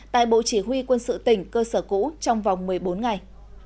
tại bộ chỉ huy quân sự tỉnh cơ sở cũ trong vòng một mươi bốn ngày